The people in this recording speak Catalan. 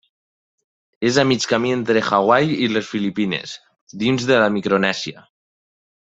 És a mig camí entre Hawaii i les Filipines, dins de la Micronèsia.